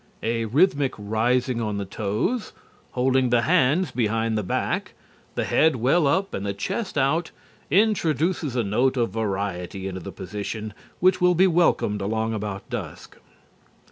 A rhythmic rising on the toes, holding the hands behind the back, the head well up and the chest out, introduces a note of variety into the position which will be welcome along about dusk.